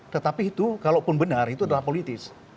tetapi itu kalaupun benar itu adalah politis